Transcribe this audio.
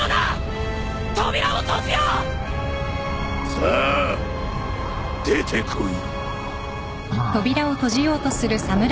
さあ出てこい。